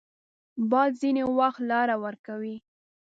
باد ځینې وخت لاره ورکوي